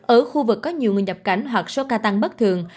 ở khu vực có nhiều người nhập cảnh hoặc số ca tăng bất thường